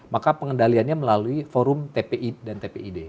maka pengendaliannya melalui forum tpi dan tpid